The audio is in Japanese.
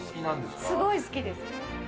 すごい好きです。